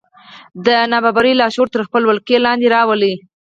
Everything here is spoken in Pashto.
دا ناببره لاشعور تر خپلې ولکې لاندې راولي